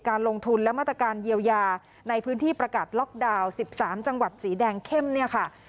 การลงทุนและมาตรการเยียวยาในพื้นที่ประกาศล็อกดาวน์๑๓จังหวัดสีแดงเข้มเนี่ยค่ะ